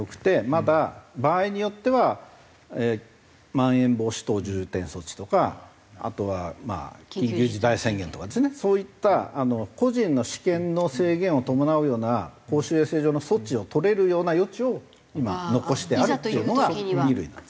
まだ場合によってはまん延防止等重点措置とかあとは緊急事態宣言とかですねそういった個人の私権の制限を伴うような公衆衛生上の措置を取れるような余地を今残してあるっていうのが２類なんです。